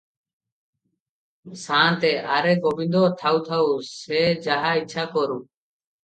ସାଆନ୍ତେ "ଆରେ ଗୋବିନ୍ଦ, ଥାଉ ଥାଉ, ସେ ଯାହା ଇଚ୍ଛା କରୁ।"